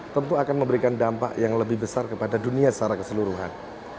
tentu akan memberikan dampak yang lebih besar kepada dunia secara keseluruhan